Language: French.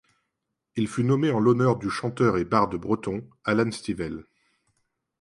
Il fut nommé en l'honneur du chanteur et barde breton, Alan Stivell.